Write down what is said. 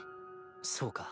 そうか。